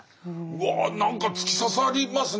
うわ何か突き刺さりますね。